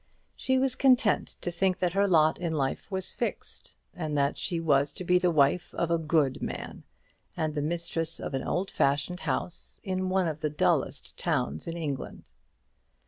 She was content to think that her lot in life was fixed, and that she was to be the wife of a good man, and the mistress of an old fashioned house in one of the dullest towns in England.